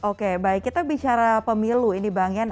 oke baik kita bicara pemilu ini bang yan